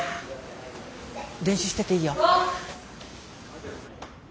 練習してていいよ。